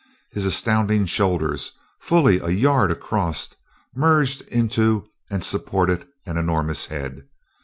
His astounding shoulders, fully a yard across, merged into and supported an enormous head.